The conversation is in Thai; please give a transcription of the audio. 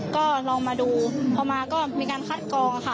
ก็ลองมาดูพอมาก็มีการคัดกองค่ะ